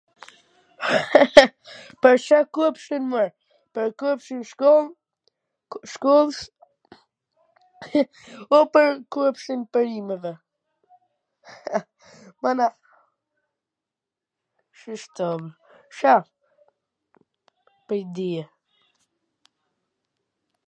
hehe, pwr Ca kopshti, mor? pwr kopshtin n shkoll, shkolls, o pwr kopshtin e perimeve? He, mana... qysh t thom...